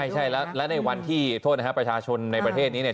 ใช่และในวันที่โทษนะครับประชาชนในประเทศนี้